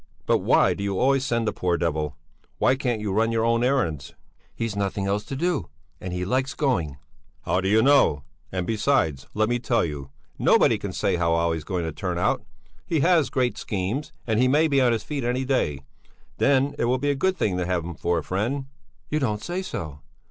But why do you always send the poor devil? Why can't you run your own errands?" "He's nothing else to do, and he likes going." "How d'you know? And besides, let me tell you, nobody can say how Olle's going to turn out. He has great schemes, and he may be on his feet any day; then it will be a good thing to have him for a friend." "You don't say so!